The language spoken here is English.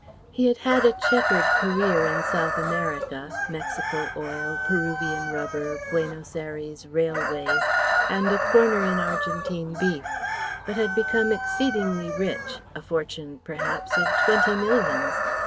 He had had a chequered career in South America Mexico oil, Peruvian rubber, Buenos Aires railways, and a corner in Argentine beef but had become exceedingly rich, a fortune perhaps of twenty millions.